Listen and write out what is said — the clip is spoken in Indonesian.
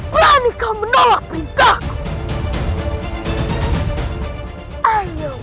peranikau menolak perintahku